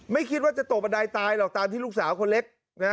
ไม่คิดว่าจะตกบันไดตายหรอกตามที่ลูกสาวคนเล็ก